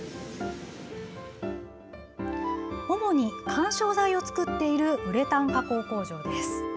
主に緩衝材を作っているウレタン加工工場です。